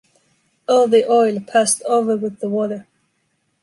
All the oil passed over with the water.